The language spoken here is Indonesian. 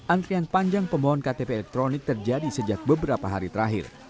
antrian panjang pemohon ktp elektronik terjadi sejak beberapa hari terakhir